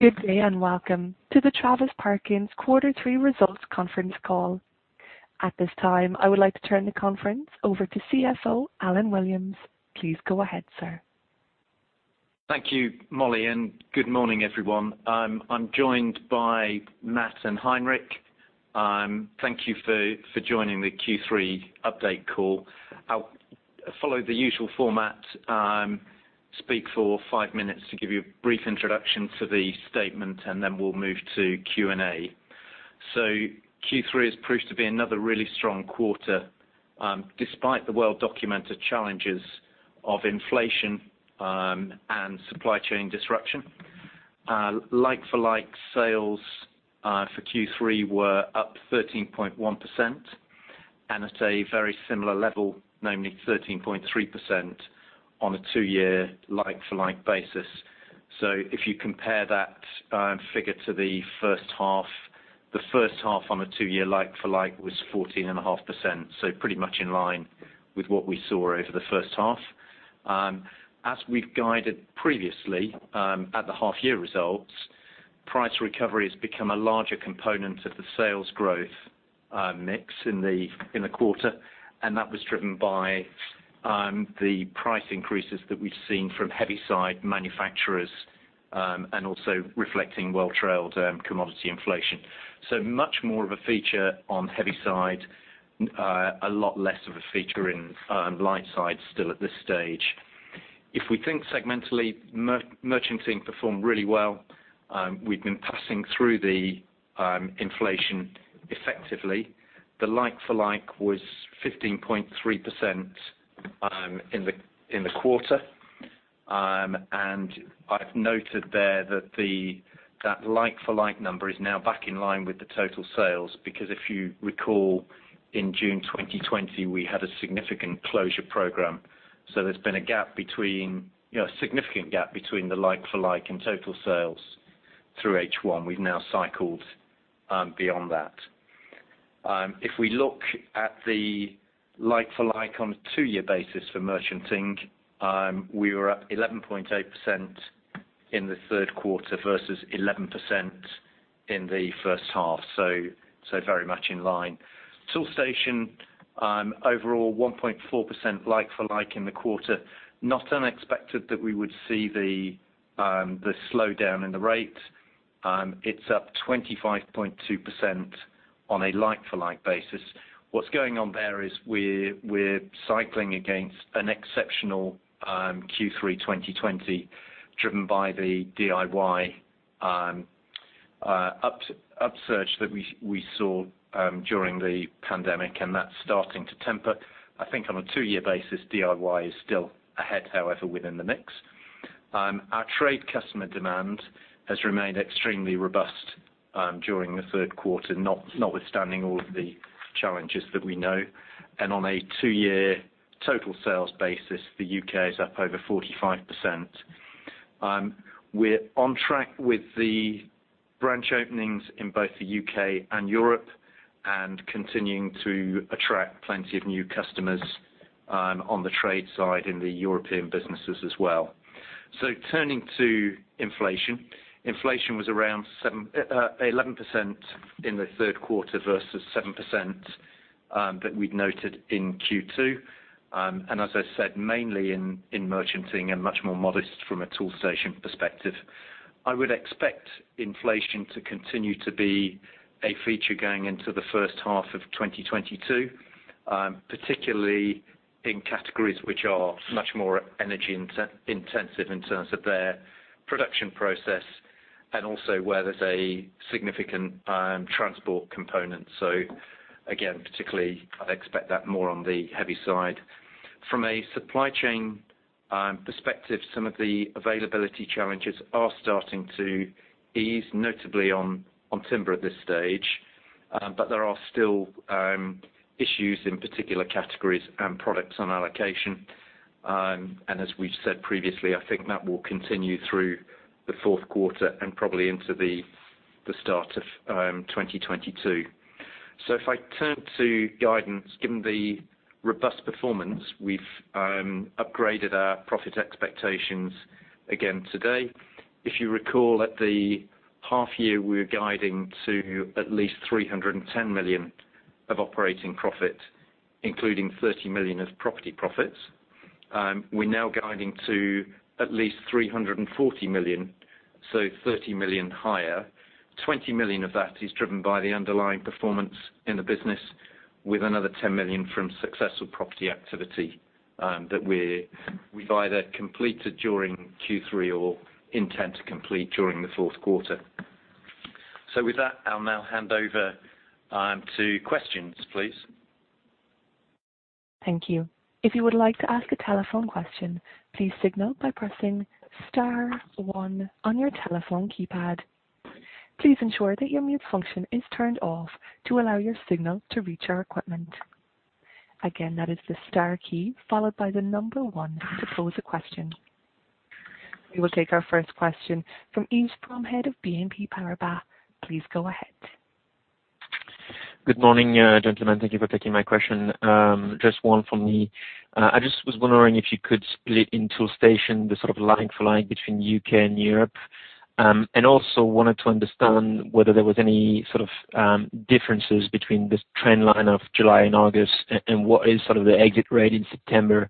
Good day and welcome to the Travis Perkins quarter three results conference call. At this time, I would like to turn the conference over to CFO, Alan Williams. Please go ahead, sir. Thank you, Molly, and good morning, everyone. I'm joined by Matt and Heinrich. Thank you for joining the Q3 update call. I'll follow the usual format, speak for 5 minutes to give you a brief introduction to the statement, and then we'll move to Q&A. Q3 has proved to be another really strong quarter, despite the well-documented challenges of inflation, and supply chain disruption. Like-for-like sales for Q3 were up 13.1% and at a very similar level, namely 13.3% on a 2-year like-for-like basis. If you compare that figure to the first half, the first half on a 2-year like-for-like was 14.5%, so pretty much in line with what we saw over the first half. As we've guided previously, at the half year results, price recovery has become a larger component of the sales growth mix in the quarter, and that was driven by the price increases that we've seen from heavyside manufacturers, and also reflecting well trailed commodity inflation. Much more of a feature on heavyside, a lot less of a feature in lightside still at this stage. If we think segmentally, merchandising performed really well. We've been passing through the inflation effectively. The like-for-like was 15.3% in the quarter. I've noted there that that like-for-like number is now back in line with the total sales because if you recall in June 2020, we had a significant closure program. There's been a gap. You know, a significant gap between the like-for-like and total sales through H1. We've now cycled beyond that. If we look at the like-for-like on a 2-year basis for merchanting, we were up 11.8% in the third quarter versus 11% in the first half, so very much in line. Toolstation overall 1.4% like-for-like in the quarter. Not unexpected that we would see the slowdown in the rate. It's up 25.2% on a like-for-like basis. What's going on there is we're cycling against an exceptional Q3 2020 driven by the DIY upsurge that we saw during the pandemic, and that's starting to temper. I think on a 2-year basis, DIY is still ahead, however, within the mix. Our trade customer demand has remained extremely robust during the third quarter, notwithstanding all of the challenges that we know. On a 2-year total sales basis, the U.K. is up over 45%. We're on track with the branch openings in both the U.K. and Europe and continuing to attract plenty of new customers on the trade side in the European businesses as well. Turning to inflation. Inflation was around 11% in the third quarter versus 7% that we'd noted in Q2. And as I said, mainly in merchanting and much more modest from a Toolstation perspective. I would expect inflation to continue to be a feature going into the first half of 2022, particularly in categories which are much more energy intensive in terms of their production process and also where there's a significant transport component. Again, particularly, I expect that more on the heavy side. From a supply chain perspective, some of the availability challenges are starting to ease, notably on timber at this stage. There are still issues in particular categories and products on allocation. As we've said previously, I think that will continue through the fourth quarter and probably into the start of 2022. If I turn to guidance, given the robust performance, we've upgraded our profit expectations again today. If you recall at the half year, we were guiding to at least 310 million of operating profit, including 30 million of property profits. We're now guiding to at least 340 million, so 30 million higher. 20 million of that is driven by the underlying performance in the business with another 10 million from successful property activity that we've either completed during Q3 or intend to complete during the fourth quarter. With that, I'll now hand over to questions, please. Thank you. If you would like to ask a telephone question, please signal by pressing star one on your telephone keypad. Please ensure that your mute function is turned off to allow your signal to reach our equipment. Again, that is the star key followed by the number one to pose a question. We will take our first question from Yves Bromehead of BNP Paribas. Please go ahead. Good morning, gentlemen. Thank you for taking my question. Just one from me. I just was wondering if you could split in Toolstation the sort of like for like between U.K. and Europe. And also wanted to understand whether there was any sort of differences between this trend line of July and August and what is sort of the exit rate in September,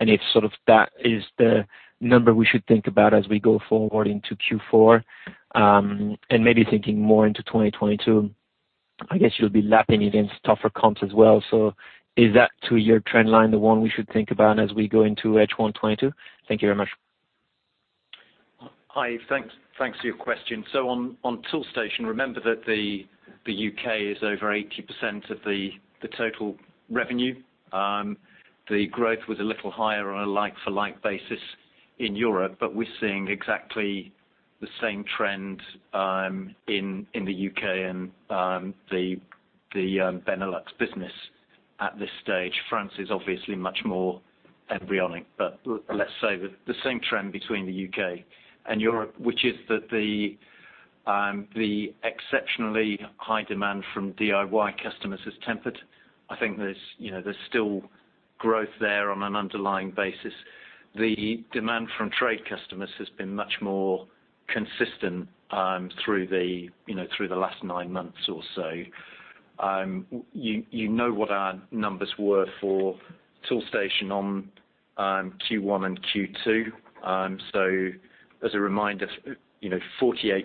and if sort of that is the number we should think about as we go forward into Q4. And maybe thinking more into 2022, I guess you'll be lapping against tougher comps as well. Is that 2-year trend line the one we should think about as we go into H1 2022? Thank you very much. Hi, thanks for your question. On Toolstation, remember that the U.K. is over 80% of the total revenue. The growth was a little higher on a like-for-like basis in Europe, but we're seeing exactly the same trend in the U.K. and the Benelux business at this stage. France is obviously much more embryonic. Let's say the same trend between the U.K. and Europe, which is that the exceptionally high demand from DIY customers has tempered. I think there's you know there's still growth there on an underlying basis. The demand from trade customers has been much more consistent through you know the last nine months or so. You know what our numbers were for Toolstation on Q1 and Q2. As a reminder, you know, 48%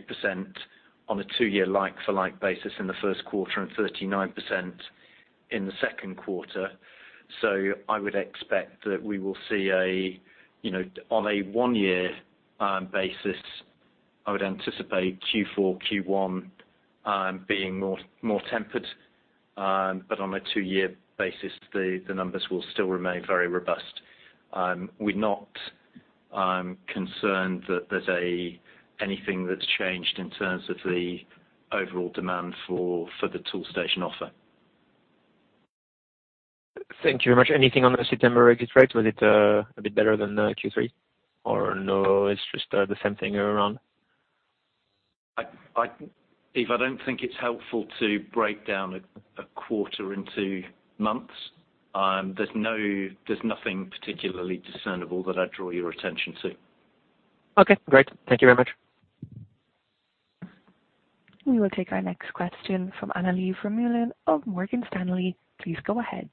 on a 2-year like-for-like basis in the first quarter and 39% in the second quarter. I would expect that we will see, you know, on a one-year basis, I would anticipate Q4, Q1 being more tempered. But on a 2-year basis, the numbers will still remain very robust. We're not concerned that there's anything that's changed in terms of the overall demand for the Toolstation offer. Thank you very much. Anything on the September exit rate? Was it a bit better than Q3? Or no, it's just the same thing year round? If I don't think it's helpful to break down a quarter into months, there's nothing particularly discernible that I'd draw your attention to. Okay, great. Thank you very much. We will take our next question from Annelies Vermeulen of Morgan Stanley. Please go ahead.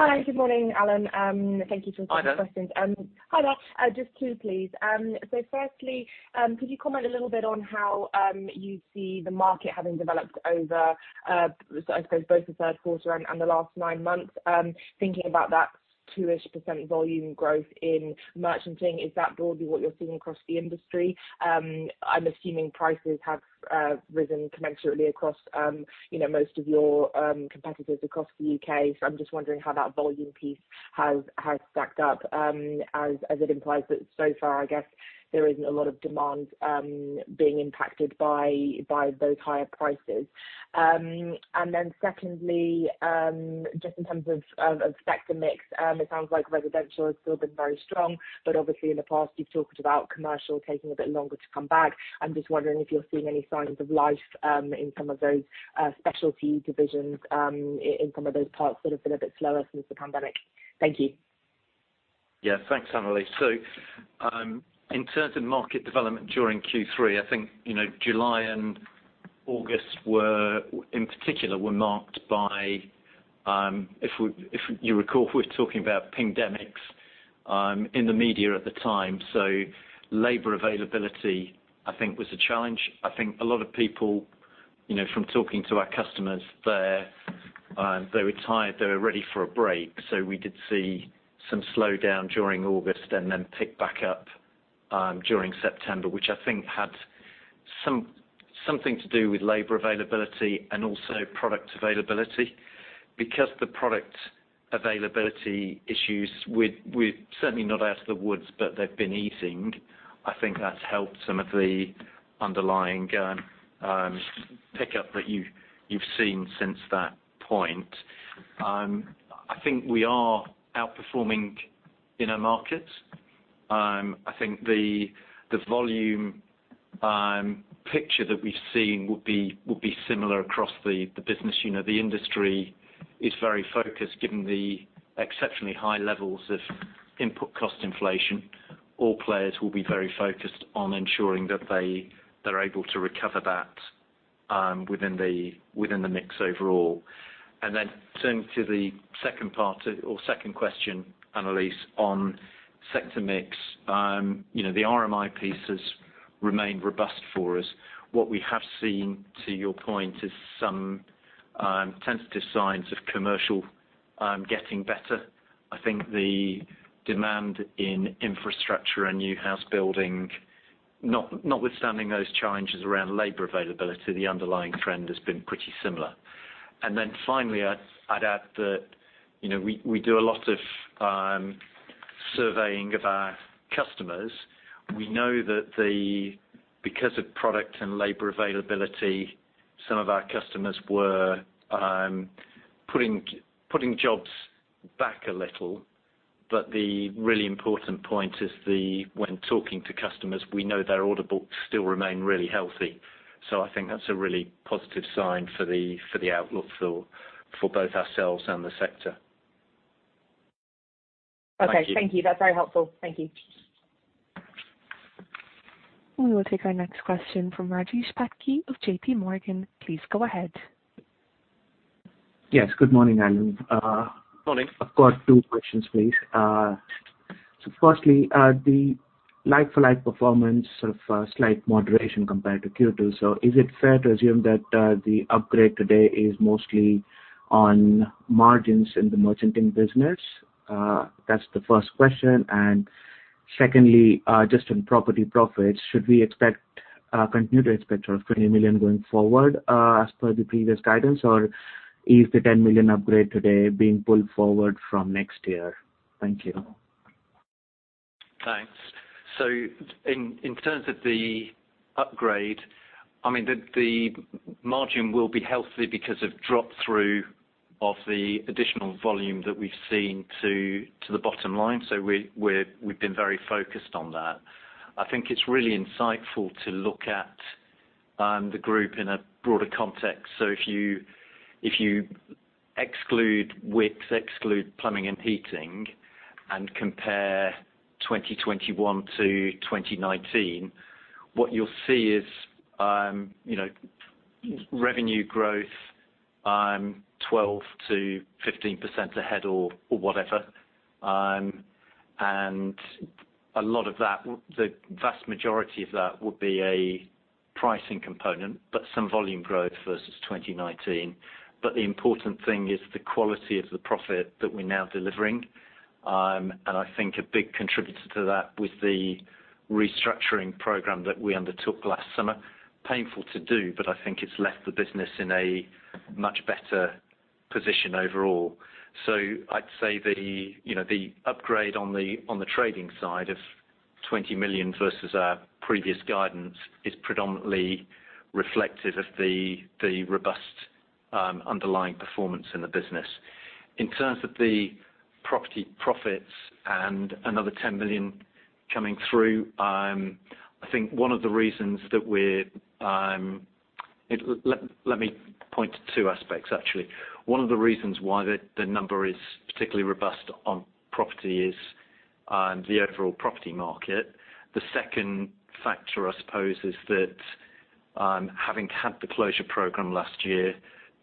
Hi. Good morning, Alan. Thank you for taking questions. Hi there. Hi there. Just two please. Firstly, could you comment a little bit on how you see the market having developed over, so I suppose both the third quarter and the last nine months. Thinking about that 2% volume growth in merchanting, is that broadly what you're seeing across the industry? I'm assuming prices have risen commensurately across, you know, most of your competitors across the U.K. I'm just wondering how that volume piece has stacked up, as it implies that so far, I guess, there isn't a lot of demand being impacted by those higher prices. Secondly, just in terms of sector mix, it sounds like residential has still been very strong, but obviously in the past, you've talked about commercial taking a bit longer to come back. I'm just wondering if you're seeing any signs of life in some of those specialty divisions, in some of those parts that have been a bit slower since the pandemic. Thank you. Yeah. Thanks, Annelies. In terms of market development during Q3, I think, you know, July and August, in particular, were marked by, if you recall, we're talking about pandemic in the media at the time. Labor availability, I think was a challenge. I think a lot of people, you know, from talking to our customers there, they were tired, they were ready for a break. We did see some slowdown during August and then pick back up during September, which I think had something to do with labor availability and also product availability. Because the product availability issues, with certainly not out of the woods, but they've been easing, I think that's helped some of the underlying pickup that you've seen since that point. I think we are outperforming in our markets. I think the volume picture that we've seen would be similar across the business unit. The industry is very focused given the exceptionally high levels of input cost inflation. All players will be very focused on ensuring that they're able to recover that within the mix overall. Then turning to the second part or second question, Annelies, on sector mix, you know, the RMI piece has remained robust for us. What we have seen, to your point, is some tentative signs of commercial getting better. I think the demand in infrastructure and new house building, notwithstanding those challenges around labor availability, the underlying trend has been pretty similar. Then finally, I'd add that, you know, we do a lot of surveying of our customers. We know that the, because of product and labor availability, some of our customers were putting jobs back a little. The really important point is the, when talking to customers, we know their order books still remain really healthy. I think that's a really positive sign for the outlook for both ourselves and the sector. Okay. Thank you. That's very helpful. Thank you. We will take our next question from Rajesh Patki of JPMorgan. Please go ahead. Yes, good morning, Alan. Morning. I've got two questions, please. Firstly, the like-for-like performance of slight moderation compared to Q2. Is it fair to assume that the upgrade today is mostly on margins in the merchanting business? That's the first question. Secondly, just on property profits, should we continue to expect sort of 20 million going forward, as per the previous guidance? Or is the 10 million upgrade today being pulled forward from next year? Thank you. Thanks. In terms of the upgrade, I mean, the margin will be healthy because of drop through of the additional volume that we've seen to the bottom line. We've been very focused on that. I think it's really insightful to look at the group in a broader context. If you exclude Wickes, exclude plumbing and heating, and compare 2021 to 2019, what you'll see is you know, revenue growth 12%-15% ahead or whatever. A lot of that, the vast majority of that would be a pricing component, but some volume growth versus 2019. The important thing is the quality of the profit that we're now delivering. I think a big contributor to that with the restructuring program that we undertook last summer, painful to do, but I think it's left the business in a much better position overall. I'd say you know the upgrade on the trading side of 20 million versus our previous guidance is predominantly reflective of the robust underlying performance in the business. In terms of the property profits and another 10 million coming through, I think one of the reasons that we're. Let me point to two aspects, actually. One of the reasons why the number is particularly robust on property is the overall property market. The second factor, I suppose, is that, having had the closure program last year,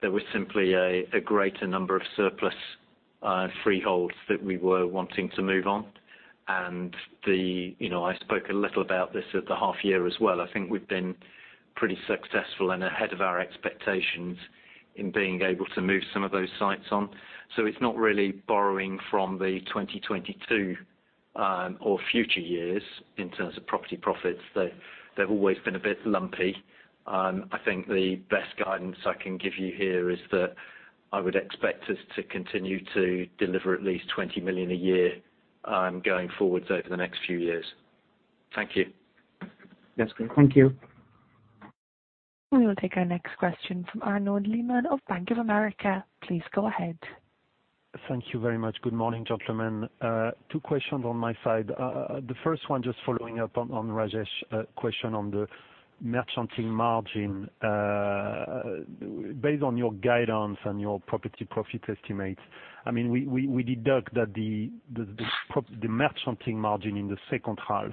there was simply a greater number of surplus freeholds that we were wanting to move on. Then, you know, I spoke a little about this at the half year as well. I think we've been pretty successful and ahead of our expectations in being able to move some of those sites on. It's not really borrowing from the 2022 or future years in terms of property profits. They've always been a bit lumpy. I think the best guidance I can give you here is that I would expect us to continue to deliver at least 20 million a year going forwards over the next few years. Thank you. That's good. Thank you. We will take our next question from Arnaud Lehmann of Bank of America. Please go ahead. Thank you very much. Good morning, gentlemen. Two questions on my side. The first one, just following up on Rajesh's question on the merchanting margin. Based on your guidance and your property profit estimate, I mean, we deduct that the merchanting margin in the second half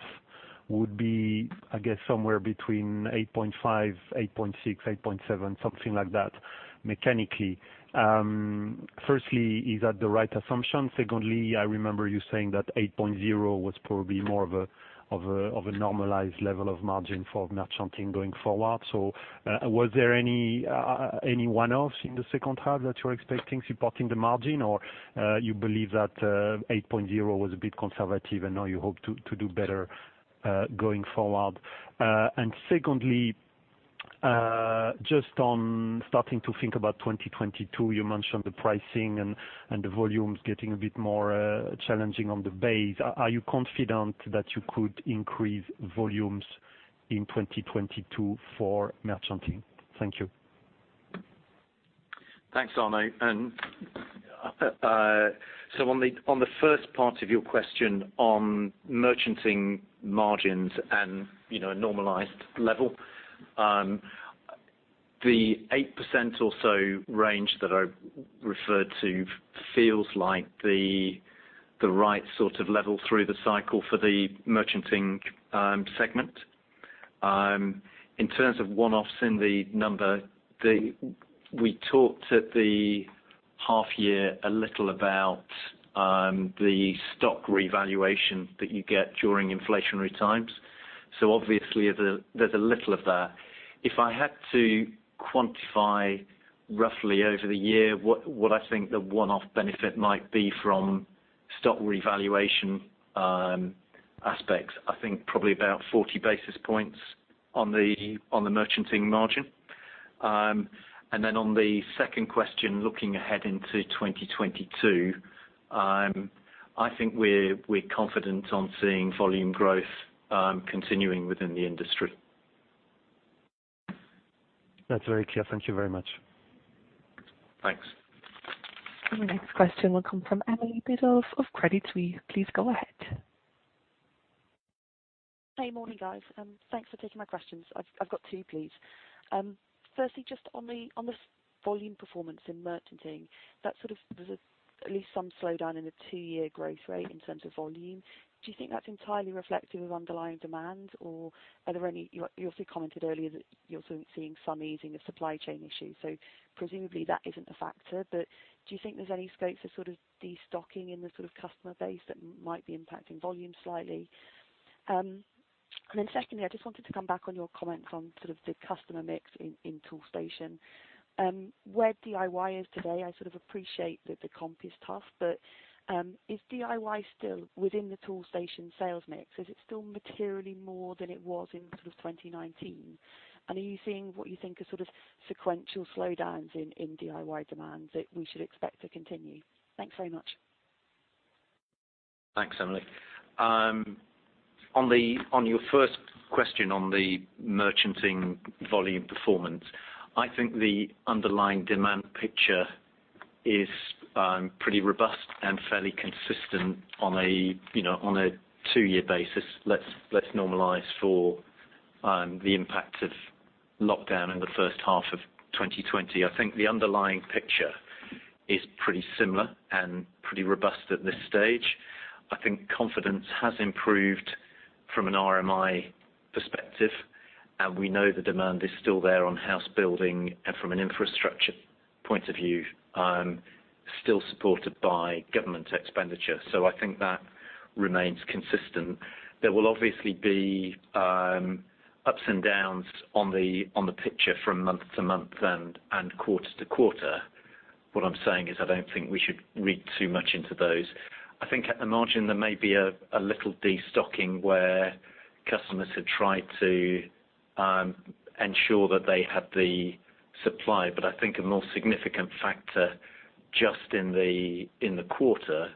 would be, I guess, somewhere between 8.5%, 8.6%, 8.7%, something like that, mechanically. Firstly, is that the right assumption? Secondly, I remember you saying that 8.0% was probably more of a normalized level of margin for merchanting going forward. Was there any one-offs in the second half that you're expecting supporting the margin? You believe that 8.0 was a bit conservative and now you hope to do better going forward? Secondly, just on starting to think about 2022, you mentioned the pricing and the volumes getting a bit more challenging on the base. Are you confident that you could increase volumes in 2022 for merchanting? Thank you. Thanks, Arnaud. On the first part of your question on merchanting margins and, you know, a normalized level, the 8% or so range that I referred to feels like the right sort of level through the cycle for the merchanting segment. In terms of one-offs in the number, we talked at the half year a little about the stock revaluation that you get during inflationary times. Obviously, there's a little of that. If I had to quantify roughly over the year what I think the one-off benefit might be from stock revaluation aspects, I think probably about 40 basis points on the merchanting margin. And then on the second question, looking ahead into 2022, I think we're confident on seeing volume growth continuing within the industry. That's very clear. Thank you very much. Thanks. The next question will come from Emily Biddulph of Credit Suisse. Please go ahead. Hey, morning, guys. Thanks for taking my questions. I've got two, please. Firstly, just on the volume performance in merchanting, that sort of was it at least some slowdown in the 2-year growth rate in terms of volume. Do you think that's entirely reflective of underlying demand or are there any. You also commented earlier that you're also seeing some easing of supply chain issues, so presumably that isn't a factor. But do you think there's any scope to sort of destocking in the sort of customer base that might be impacting volume slightly? And then secondly, I just wanted to come back on your comments on sort of the customer mix in Toolstation. Where DIY is today, I sort of appreciate that the comp is tough, but is DIY still within the Toolstation sales mix? Is it still materially more than it was in sort of 2019? Are you seeing what you think are sort of sequential slowdowns in DIY demands that we should expect to continue? Thanks very much. Thanks, Emily. On your first question on the merchanting volume performance, I think the underlying demand picture is pretty robust and fairly consistent on a, you know, on a 2-year basis. Let's normalize for the impact of lockdown in the first half of 2020. I think the underlying picture is pretty similar and pretty robust at this stage. I think confidence has improved from an RMI perspective, and we know the demand is still there on house building and from an infrastructure point of view, still supported by government expenditure. I think that remains consistent. There will obviously be ups and downs on the picture from month to month and quarter to quarter. What I'm saying is I don't think we should read too much into those. I think at the margin, there may be a little destocking where customers had tried to ensure that they had the supply. I think a more significant factor just in the quarter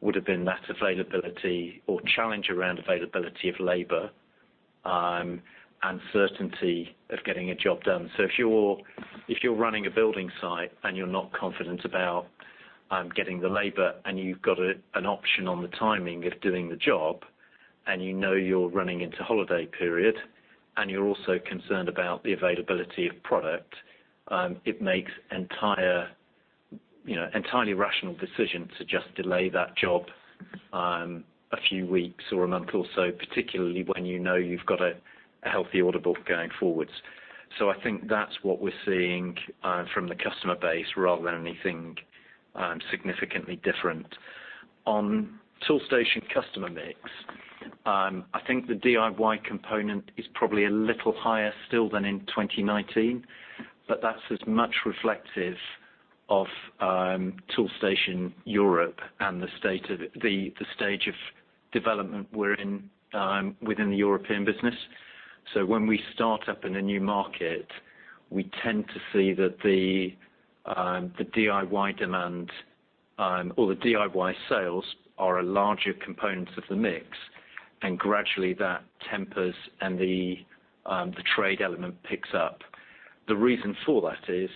would have been that availability or challenge around availability of labor and certainty of getting a job done. If you're running a building site and you're not confident about getting the labor, and you've got an option on the timing of doing the job, and you know you're running into holiday period, and you're also concerned about the availability of product, it makes entirely rational decision to just delay that job a few weeks or a month or so, particularly when you know you've got a healthy order book going forwards. I think that's what we're seeing from the customer base rather than anything significantly different. On Toolstation customer mix, I think the DIY component is probably a little higher still than in 2019, but that's as much reflective of Toolstation Europe and the state of the stage of development we're in within the European business. When we start up in a new market, we tend to see that the DIY demand or the DIY sales are a larger component of the mix, and gradually that tempers and the trade element picks up. The reason for that is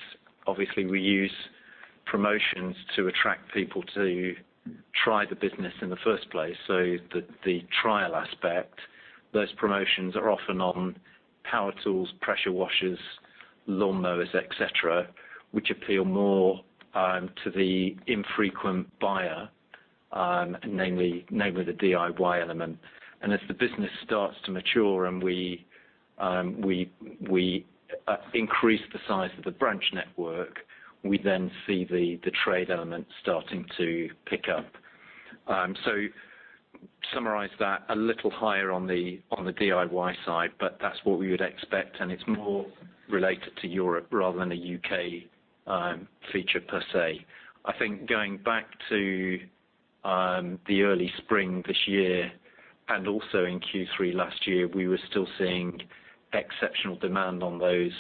obviously we use promotions to attract people to try the business in the first place. The trial aspect, those promotions are often on power tools, pressure washers, lawnmowers, et cetera, which appeal more to the infrequent buyer, namely the DIY element. As the business starts to mature and we increase the size of the branch network, we then see the trade element starting to pick up. Summarize that, a little higher on the DIY side, but that's what we would expect, and it's more related to Europe rather than a U.K. feature per se. I think going back to the early spring this year and also in Q3 last year, we were still seeing exceptional demand on those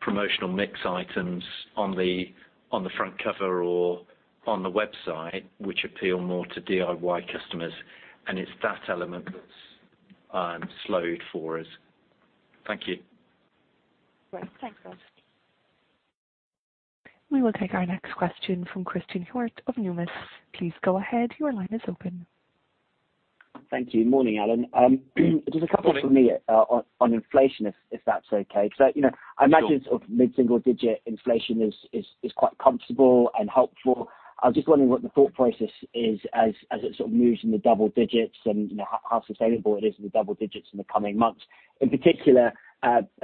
promotional mix items on the front cover or on the website, which appeal more to DIY customers, and it's that element that's slowed for us. Thank you. Great. Thanks, Rob. We will take our next question from Christian Hjorth of Nomura. Please go ahead. Your line is open. Thank you. Morning, Alan. Just a couple from me on inflation if that's okay. You know. Sure. I imagine sort of mid-single digit inflation is quite comfortable and helpful. I was just wondering what the thought process is as it sort of moves in the double digits and, you know, how sustainable it is in the double digits in the coming months. In particular,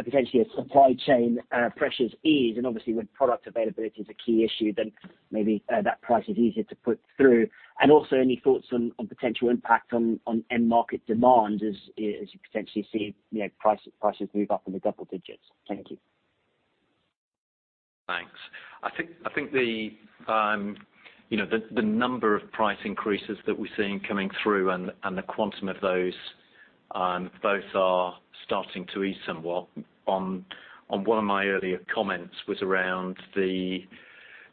potentially as supply chain pressures ease, and obviously with product availability as a key issue, then maybe that price is easier to put through. Also any thoughts on potential impact on end market demand as you potentially see, you know, prices move up in the double digits. Thank you. Thanks. I think you know, the number of price increases that we're seeing coming through and the quantum of those both are starting to ease somewhat. On one of my earlier comments was around the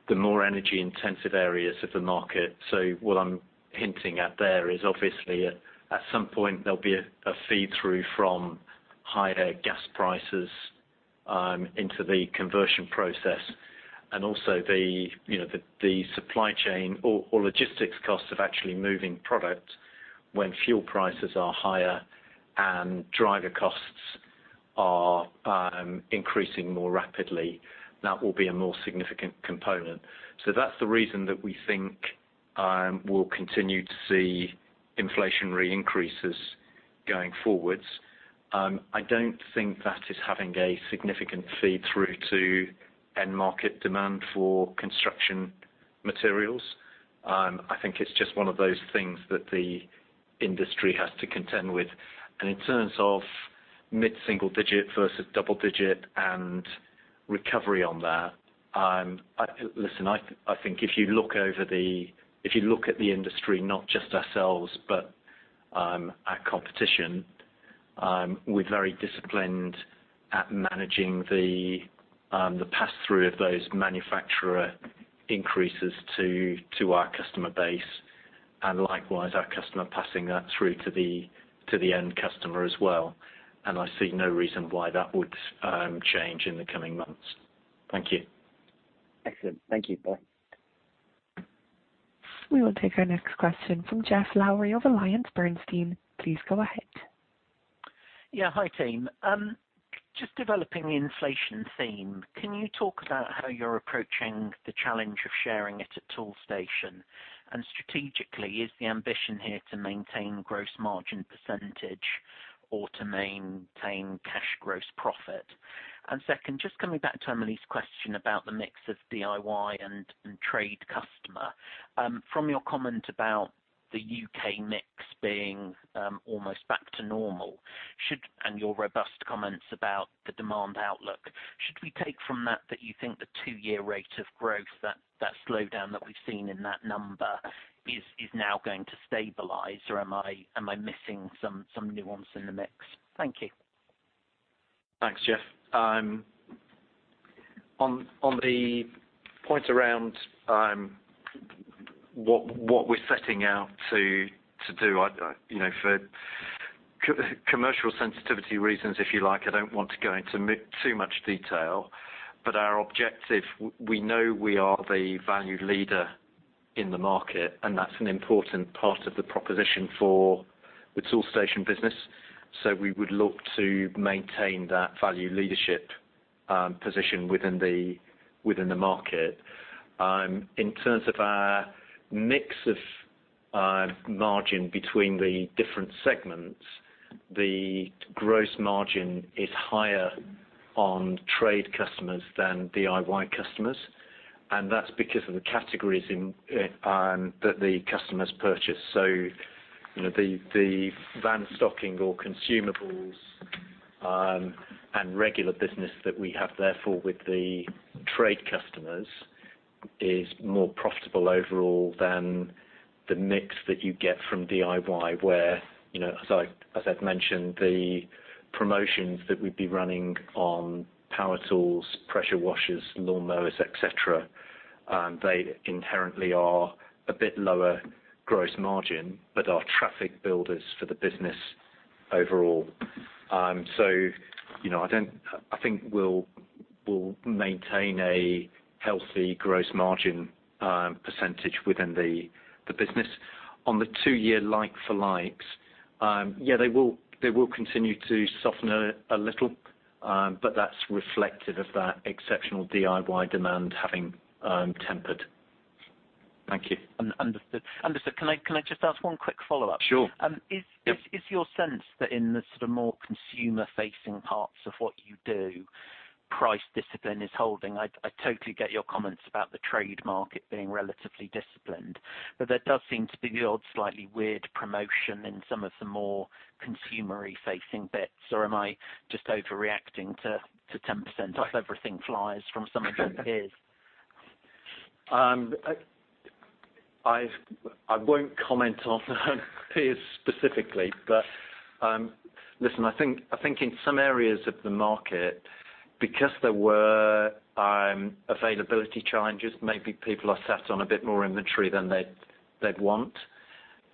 more energy intensive areas of the market. What I'm hinting at there is obviously at some point there'll be a feed-through from higher gas prices into the conversion process and also you know, the supply chain or logistics costs of actually moving product when fuel prices are higher and driver costs are increasing more rapidly. That will be a more significant component. That's the reason that we think we'll continue to see inflationary increases going forwards. I don't think that is having a significant feed-through to end market demand for construction materials. I think it's just one of those things that the industry has to contend with. In terms of mid-single digit versus double digit and recovery on that, I think if you look at the industry, not just ourselves, but our competition, we're very disciplined at managing the pass-through of those manufacturer increases to our customer base, and likewise, our customer passing that through to the end customer as well. I see no reason why that would change in the coming months. Thank you. Excellent. Thank you, Alan. We will take our next question from Geoff Lowery of AllianceBernstein. Please go ahead. Yeah. Hi, team. Just developing the inflation theme. Can you talk about how you're approaching the challenge of sharing it at Toolstation? Strategically, is the ambition here to maintain gross margin percentage or to maintain cash gross profit? Second, just coming back to Emily's question about the mix of DIY and trade customer. From your comment about the U.K. mix being almost back to normal and your robust comments about the demand outlook, should we take from that that you think the 2-year rate of growth, that slowdown that we've seen in that number is now going to stabilize? Or am I missing some nuance in the mix? Thank you. Thanks, Geoff. On the point around what we're setting out to do. You know, for commercial sensitivity reasons, if you like, I don't want to go into too much detail. Our objective, we know we are the valued leader in the market, and that's an important part of the proposition for the Toolstation business, so we would look to maintain that value leadership position within the market. In terms of our mix of margin between the different segments, the gross margin is higher on trade customers than DIY customers, and that's because of the categories in that the customers purchase. You know, the van stocking or consumables and regular business that we have therefore with the trade customers is more profitable overall than the mix that you get from DIY, where, you know, as I've mentioned, the promotions that we'd be running on power tools, pressure washers, lawnmowers, et cetera, they inherently are a bit lower gross margin, but are traffic builders for the business overall. You know, I think we'll maintain a healthy gross margin percentage within the business. On the 2-year like-for-likes, yeah, they will continue to soften a little, but that's reflective of that exceptional DIY demand having tempered. Thank you. Understood. Can I just ask one quick follow-up? Sure. Um, is your sense that in the sort of more consumer-facing parts of what you do, price discipline is holding? I totally get your comments about the trade market being relatively disciplined, but there does seem to be the odd slightly weird promotion in some of the more consumer-facing bits. Or am I just overreacting to 10% off everything flyers from some of the peers? I won't comment on peers specifically. Listen, I think in some areas of the market, because there were availability challenges, maybe people are sat on a bit more inventory than they'd want.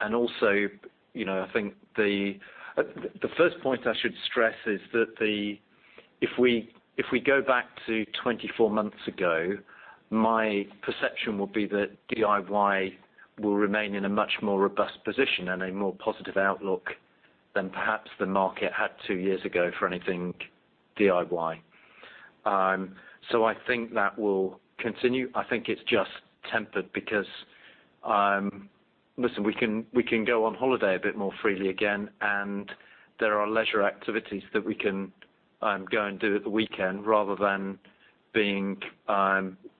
Also, you know, I think the first point I should stress is that if we go back to 24 months ago, my perception would be that DIY will remain in a much more robust position and a more positive outlook than perhaps the market had 2 years ago for anything DIY. I think that will continue. I think it's just tempered because. Listen, we can go on holiday a bit more freely again, and there are leisure activities that we can go and do at the weekend rather than being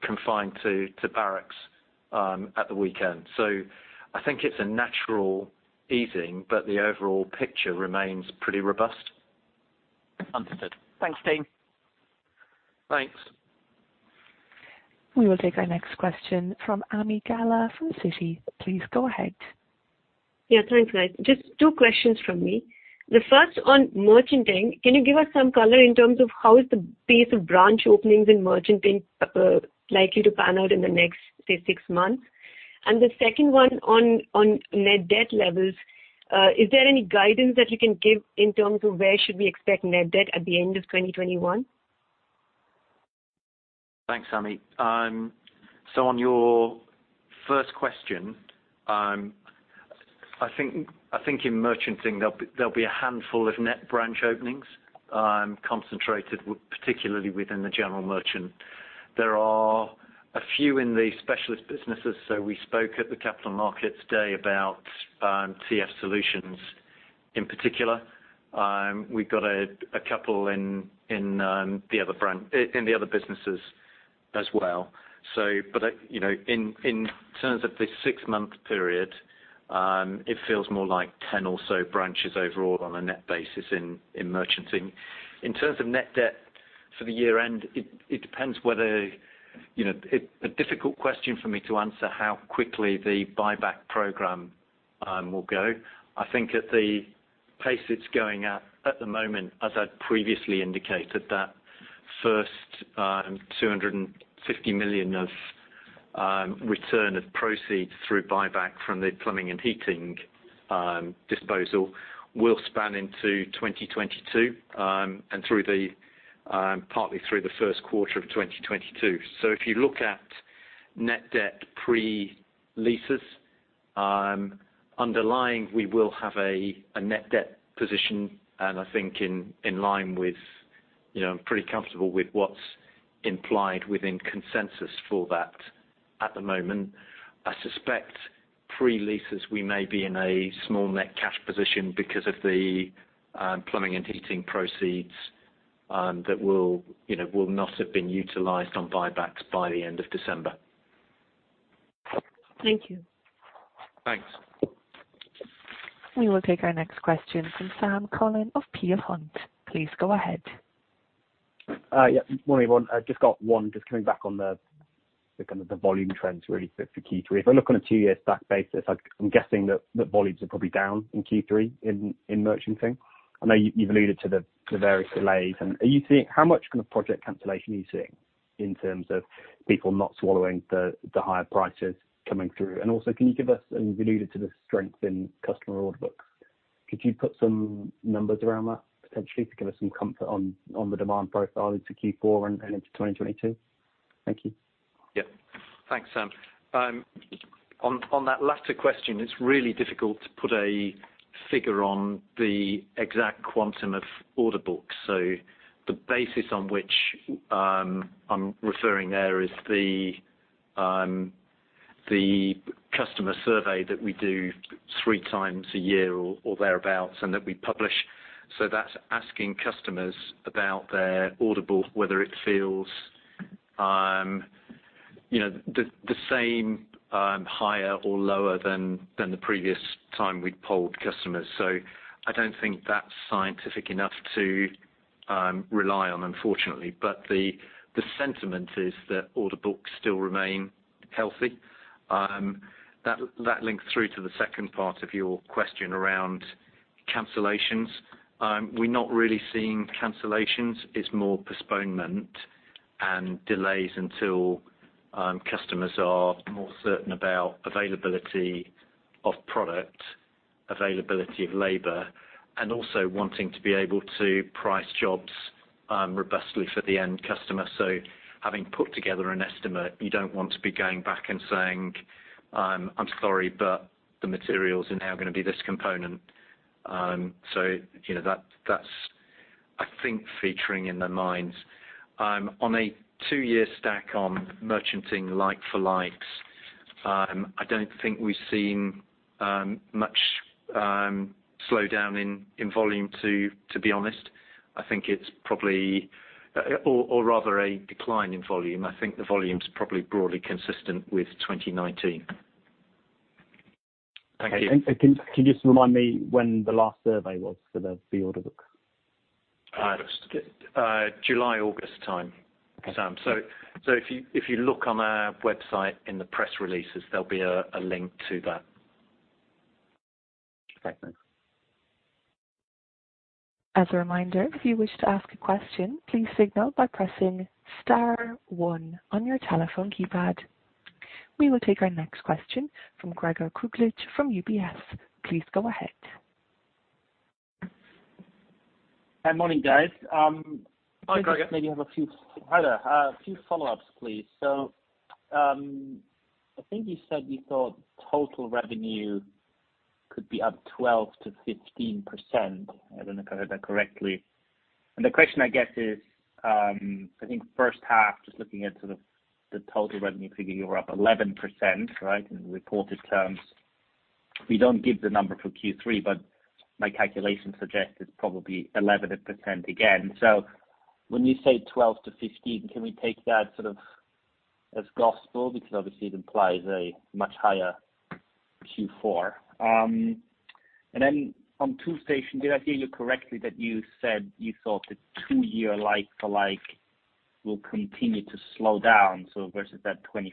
confined to barracks at the weekend. I think it's a natural easing, but the overall picture remains pretty robust. Understood. Thanks, team. Thanks. We will take our next question from Ami Galla from Citi. Please go ahead. Yeah. Thanks, guys. Just two questions from me. The first on merchanting, can you give us some color in terms of how is the pace of branch openings in merchanting likely to pan out in the next, say, six months? And the second one on net debt levels. Is there any guidance that you can give in terms of where should we expect net debt at the end of 2021? Thanks, Ami. So on your first question, I think in merchanting there'll be a handful of net branch openings, concentrated particularly within the general merchant. There are a few in the specialist businesses, so we spoke at the Capital Markets Day about TF Solutions in particular. We've got a couple in the other brand, in the other businesses as well. But I, you know, in terms of the six-month period, it feels more like 10 or so branches overall on a net basis in merchanting. In terms of net debt for the year-end, it depends whether, you know. It's a difficult question for me to answer how quickly the buyback program will go. I think at the pace it's going at the moment, as I'd previously indicated, that first 250 million of return of proceeds through buyback from the plumbing and heating disposal will span into 2022 and partly through the first quarter of 2022. If you look at net debt pre-leases, underlying, we will have a net debt position, and I think in line with, you know, I'm pretty comfortable with what's implied within consensus for that at the moment. I suspect pre-leases, we may be in a small net cash position because of the plumbing and heating proceeds that will, you know, not have been utilized on buybacks by the end of December. Thank you. Thanks. We will take our next question from Sam Cullen of Peel Hunt. Please go ahead. Yeah. Morning, everyone. I've just got one coming back on the kind of volume trends really for Q3. If I look on a 2-year stack basis, I'm guessing that volumes are probably down in Q3 in merchanting. I know you've alluded to the various delays. Are you seeing how much kind of project cancellation you are seeing in terms of people not swallowing the higher prices coming through? Also, can you give us, and you've alluded to the strength in customer order books. Could you put some numbers around that potentially to give us some comfort on the demand profile into Q4 and into 2022? Thank you. Yeah. Thanks, Sam. On that latter question, it's really difficult to put a figure on the exact quantum of order books. The basis on which I'm referring there is the customer survey that we do 3x a year or thereabout, and that we publish. That's asking customers about their order book, whether it feels, you know, the same, higher or lower than the previous time we polled customers. I don't think that's scientific enough to rely on, unfortunately. The sentiment is that order books still remain healthy. That links through to the second part of your question around cancellations. We're not really seeing cancellations. It's more postponement and delays until customers are more certain about availability of product, availability of labor, and also wanting to be able to price jobs robustly for the end customer. Having put together an estimate, you don't want to be going back and saying, "I'm sorry, but the materials are now gonna be this component." You know, that's, I think, featuring in their minds. On a 2-year stack on merchanting like-for-likes, I don't think we've seen much slowdown in volume, to be honest. I think it's probably or rather a decline in volume. I think the volume's probably broadly consistent with 2019. Thank you. Can you just remind me when the last survey was for the order book? July, August time, Sam. If you look on our website in the press releases, there'll be a link to that. Okay. Thanks. As a reminder, if you wish to ask a question, please signal by pressing star one on your telephone keypad. We will take our next question from Gregor Kuglitsch from UBS. Please go ahead. Hi, morning, guys. Hi, Gregor. Hi there. A few follow-ups, please. I think you said you thought total revenue could be up 12%-15%. I don't know if I heard that correctly. The question I get is, I think first half, just looking at sort of the total revenue figure, you were up 11%, right, in reported terms. We don't give the number for Q3, but my calculation suggests it's probably 11% again. When you say 12%-15%, can we take that sort of as gospel? Because obviously it implies a much higher Q4. And then on Toolstation, did I hear you correctly that you said you thought the 2-year like-for-like will continue to slow down, so versus that 25%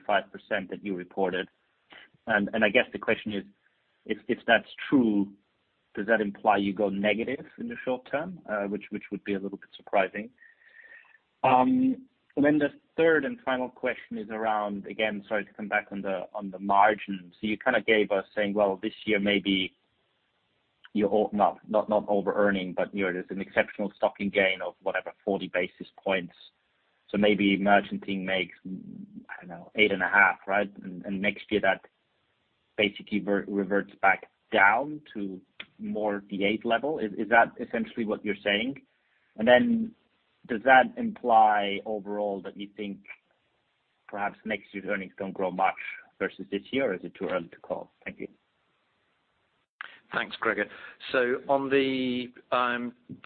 that you reported. I guess the question is, if that's true, does that imply you go negative in the short term? Which would be a little bit surprising. The third and final question is around, again, sorry to come back on the margins. You kind of gave us saying, well, this year, maybe you're not over earning, but you know, there's an exceptional stocking gain of whatever, 40 basis points. So maybe merchanting makes, I don't know, 8.5, right? And next year that basically reverts back down to more the 8 level. Is that essentially what you're saying? Does that imply overall that you think perhaps next year's earnings don't grow much versus this year? Or is it too early to call? Thank you. Thanks, Gregor. On the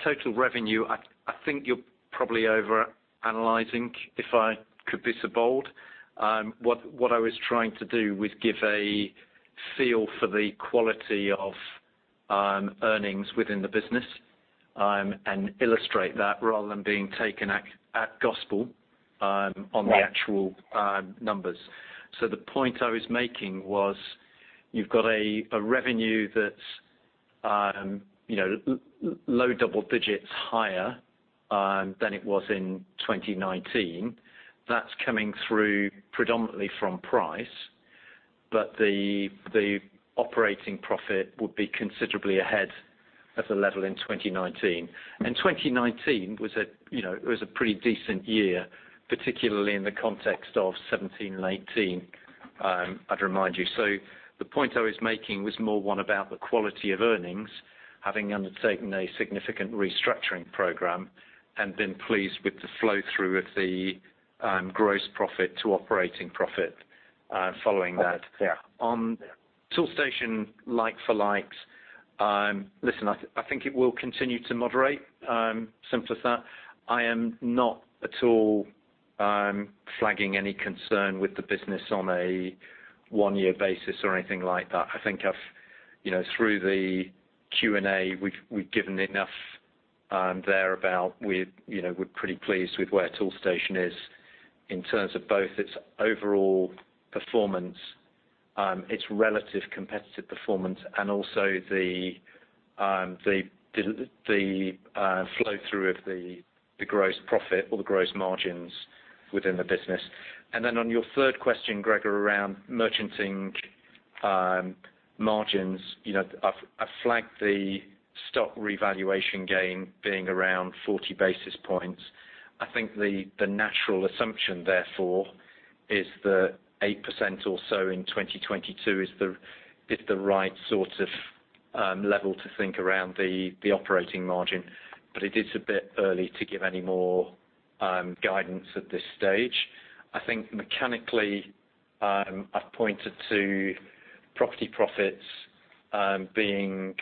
total revenue, I think you're probably overanalyzing, if I could be so bold. What I was trying to do was give a feel for the quality of earnings within the business, and illustrate that rather than being taken at gospel on the actual numbers. Right The point I was making was you've got a revenue that's, you know, low double digits higher than it was in 2019. That's coming through predominantly from price, but the operating profit would be considerably ahead of the level in 2019. 2019 was a, you know, it was a pretty decent year, particularly in the context of 17 and 18, I'd remind you. The point I was making was more one about the quality of earnings having undertaken a significant restructuring program and been pleased with the flow through of the gross profit to operating profit following that. Okay. Yeah. On Toolstation like-for-like, listen, I think it will continue to moderate, simple as that. I am not at all flagging any concern with the business on a one-year basis or anything like that. I think I've, you know, through the Q&A, we've given enough thereabout. We're, you know, we're pretty pleased with where Toolstation is in terms of both its overall performance, its relative competitive performance, and also the flow through of the gross profit or the gross margins within the business. On your third question, Gregor, around merchanting margins, you know, I've flagged the stock revaluation gain being around 40 basis points. I think the natural assumption therefore is that 8% or so in 2022 is the right sort of level to think around the operating margin. It is a bit early to give any more guidance at this stage. I think mechanically, I've pointed to property profits being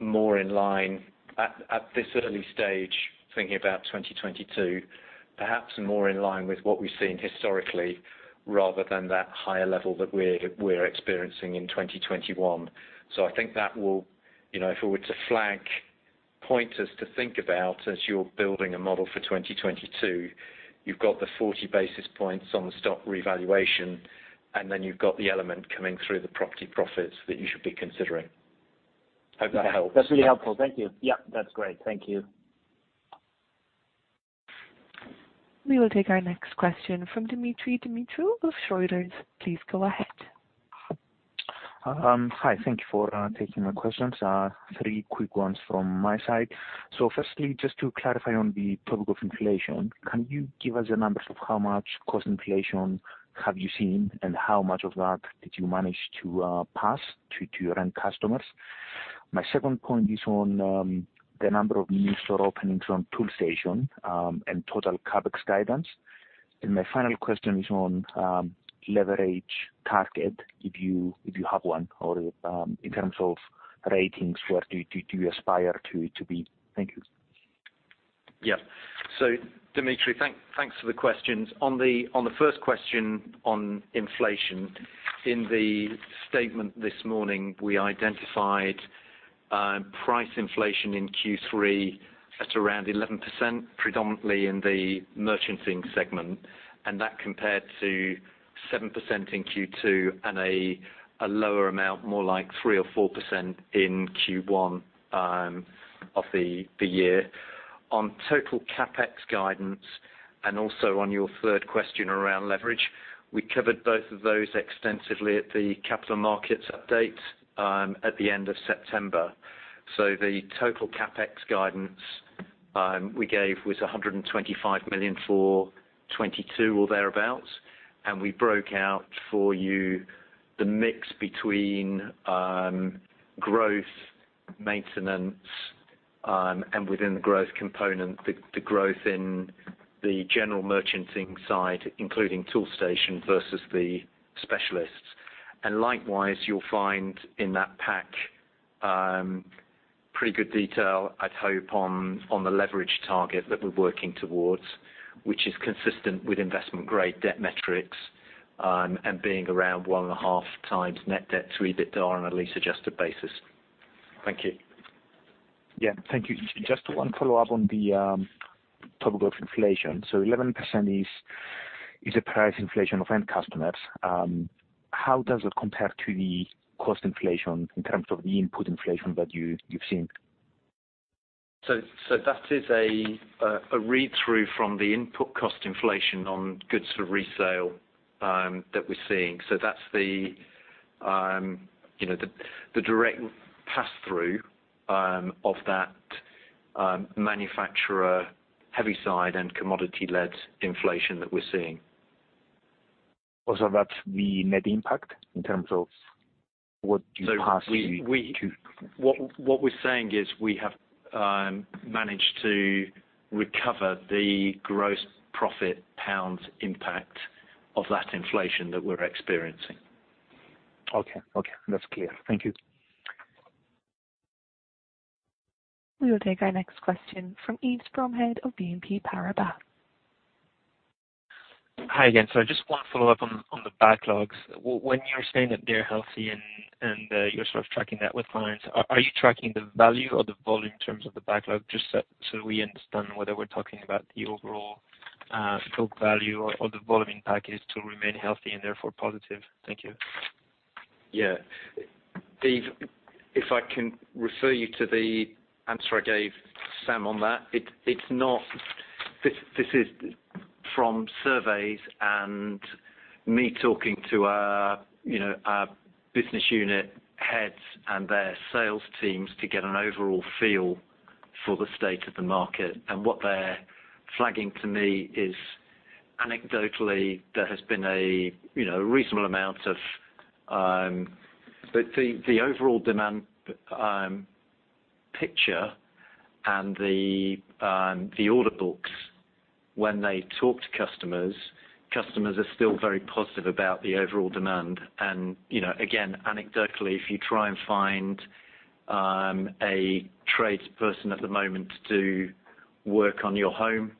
more in line at this early stage, thinking about 2022, perhaps more in line with what we've seen historically, rather than that higher level that we're experiencing in 2021. I think that will, you know, if it were to flag pointers to think about as you're building a model for 2022, you've got the 40 basis points on the stock revaluation, and then you've got the element coming through the property profits that you should be considering. Hope that helps. That's really helpful. Thank you. Yeah, that's great. Thank you. We will take our next question from Dimitris. Dimitris of Schroders, please go ahead. Hi. Thank you for taking my questions. Three quick ones from my side. Firstly, just to clarify on the topic of inflation, can you give us the numbers of how much cost inflation have you seen and how much of that did you manage to pass to your end customers? My second point is on the number of new store openings on Toolstation and total CapEx guidance. My final question is on leverage target, if you have one, or in terms of ratings, where do you aspire to be? Thank you. Dimitri, thanks for the questions. On the first question on inflation, in the statement this morning, we identified price inflation in Q3 at around 11%, predominantly in the merchanting segment, and that compared to 7% in Q2 and a lower amount, more like 3% or 4% in Q1 of the year. On total CapEx guidance and also on your third question around leverage, we covered both of those extensively at the capital markets update at the end of September. The total CapEx guidance we gave was 125 million for 2022 or thereabout, and we broke out for you the mix between growth, maintenance, and within the growth component, the growth in the general merchanting side, including Toolstation versus the specialists. Likewise, you'll find in that pack pretty good detail, I'd hope, on the leverage target that we're working towards, which is consistent with investment grade debt metrics, and being around 1.5x net debt to EBITDA on a lease-adjusted basis. Thank you. Yeah. Thank you. Just one follow-up on the topic of inflation. 11% is a price inflation of end customers. How does it compare to the cost inflation in terms of the input inflation that you've seen? That is a read-through from the input cost inflation on goods for resale that we're seeing. That's the, you know, the direct pass-through of that manufacturer heavyside and commodity-led inflation that we're seeing. Also, that's the net impact in terms of what you pass to. What we're saying is we have managed to recover the gross profit pounds impact of that inflation that we're experiencing. Okay. Okay, that's clear. Thank you. We will take our next question from Yves Bromehead of BNP Paribas. Hi again. Just one follow-up on the backlogs. When you're saying that they're healthy and you're sort of tracking that with clients, are you tracking the value or the volume in terms of the backlog? Just so we understand whether we're talking about the overall stock value or the volume package to remain healthy and therefore positive. Thank you. Yeah. Yves, if I can refer you to the answer I gave Sam on that. It's not. This is from surveys and me talking to our you know our business unit heads and their sales teams to get an overall feel for the state of the market. What they're flagging to me is anecdotally, there has been a you know reasonable amount of. But the overall demand picture and the order books when they talk to customers are still very positive about the overall demand. You know again anecdotally, if you try and find a tradesperson at the moment to work on your home,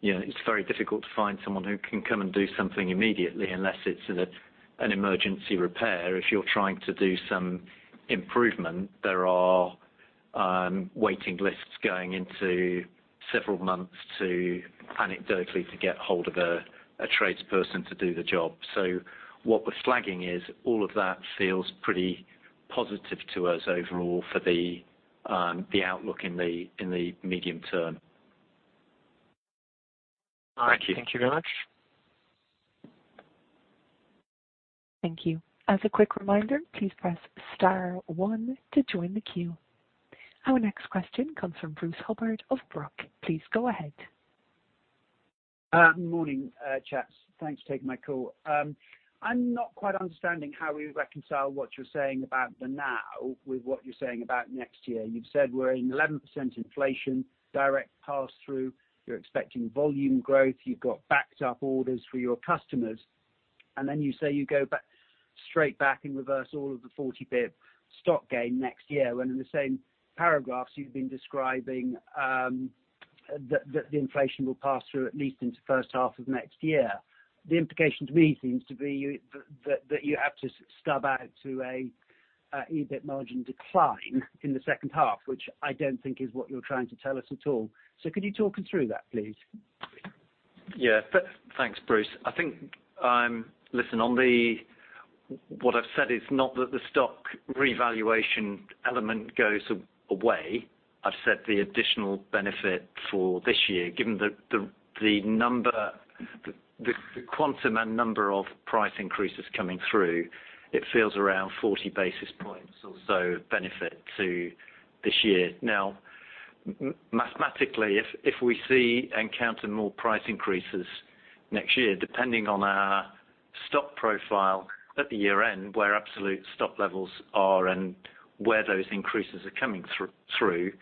you know, it's very difficult to find someone who can come and do something immediately unless it's an emergency repair. If you're trying to do some improvement, there are waiting lists going into several months to anecdotally to get hold of a tradesperson to do the job. What we're flagging is all of that feels pretty positive to us overall for the outlook in the medium term. All right. Thank you very much. Thank you. As a quick reminder, please press star one to join the queue. Our next question comes from Bruce Hubbard of Barclays. Please go ahead. Morning, chaps. Thanks for taking my call. I'm not quite understanding how we reconcile what you're saying about the now with what you're saying about next year. You've said we're in 11% inflation, direct pass-through. You're expecting volume growth. You've got backed up orders for your customers. You say you go straight back and reverse all of the 40 bps stock gain next year, when in the same paragraphs you've been describing, the inflation will pass through at least into the first half of next year. The implication to me seems to be that you have to stub out to a EBIT margin decline in the second half, which I don't think is what you're trying to tell us at all. Could you talk us through that, please? Yeah. Thanks, Bruce. I think, listen, on the, what I've said is not that the stock revaluation element goes away. I've said the additional benefit for this year, given the quantum and number of price increases coming through, it feels around 40 basis points or so benefit to this year. Now, mathematically, if we see and counter more price increases next year, depending on our stock profile at the year-end, where absolute stock levels are and where those increases are coming through,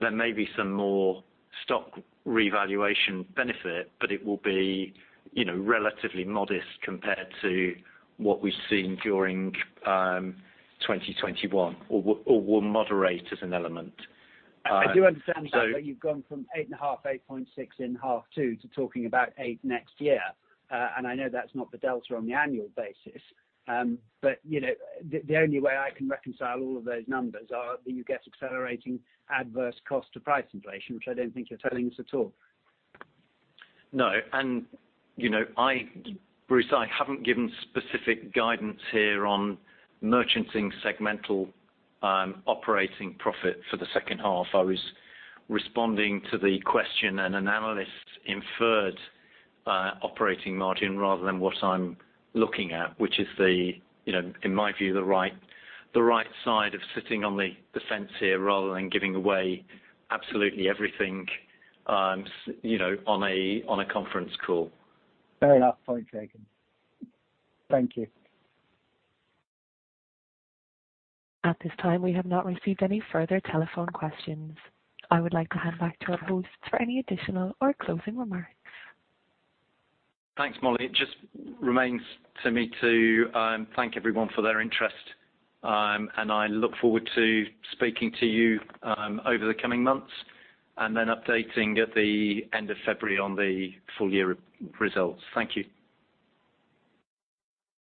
there may be some more stock revaluation benefit, but it will be, you know, relatively modest compared to what we've seen during 2021 or will moderate as an element. I do understand that, but you've gone from 8.5%, 8.6% in half to talking about 8% next year. I know that's not the delta on the annual basis. You know, the only way I can reconcile all of those numbers are that you get accelerating adverse cost to price inflation, which I don't think you're telling us at all. No. You know, Bruce, I haven't given specific guidance here on merchanting segmental operating profit for the second half. I was responding to the question and an analyst's inferred operating margin rather than what I'm looking at, which is, you know, in my view, the right side of sitting on the fence here rather than giving away absolutely everything, you know, on a conference call. Fair enough. Point taken. Thank you. At this time, we have not received any further telephone questions. I would like to hand back to our hosts for any additional or closing remarks. Thanks, Molly. It just remains to me to thank everyone for their interest, and I look forward to speaking to you over the coming months and then updating at the end of February on the full year results. Thank you.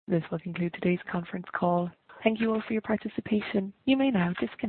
This will conclude today's conference call. Thank you all for your participation. You may now disconnect.